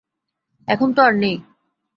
এখন তো আর নেই।